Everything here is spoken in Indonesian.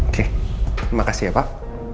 oke terima kasih ya pak